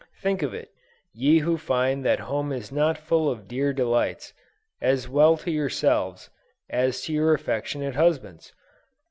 Think of it, ye who find that home is not full of dear delights, as well to yourselves, as to your affectionate husbands!